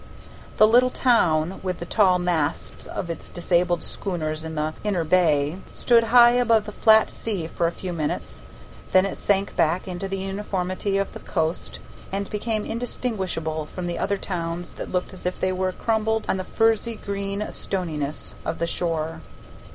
The little town, with the tall masts of its disabled schooners in the inner bay, stood high above the flat sea for a few minutes then it sank back into the uniformity of the coast, and became indistinguishable from the other towns that looked as if they were crumbled on the furzy green stoniness of the shore.